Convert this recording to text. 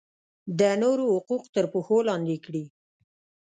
د نورو حقوق تر پښو لاندې کړي.